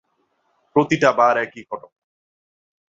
প্রতিটা বার একই ঘটনা!